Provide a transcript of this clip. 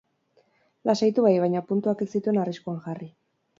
Lasaitu bai, baina puntuak ez zituen arriskuan jarri.